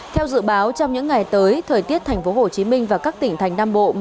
theo dự báo trong những ngày tới thời tiết tp hcm và các tỉnh thành nam bộ